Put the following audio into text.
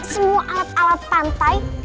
semua alat alat pantai